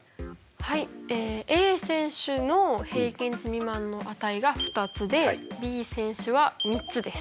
はいＡ選手の平均値未満の値が２つでＢ選手は３つです。